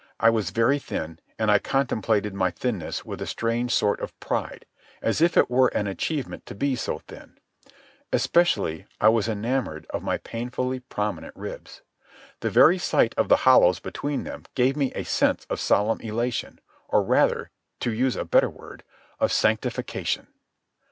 I was very thin, and I contemplated my thinness with a strange sort of pride, as if it were an achievement to be so thin. Especially was I enamoured of my painfully prominent ribs. The very sight of the hollows between them gave me a sense of solemn elation, or, rather, to use a better word, of sanctification.